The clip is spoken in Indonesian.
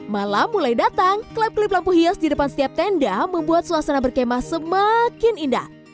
malam mulai datang klip klip lampu hias di depan setiap tenda membuat suasana berkemah semakin indah